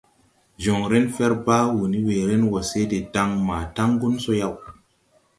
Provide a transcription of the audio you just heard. Joŋren fer baa wuu ne weeren wɔ se de daŋ maa taŋgun so yaw.